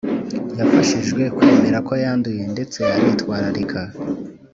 Yafashijwe kwemera ko yanduye ndetse ari twararika